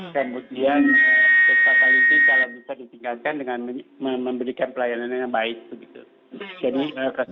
kemudian status ini kalau bisa ditingkatkan dengan memberikan pelayanannya yang baik begitu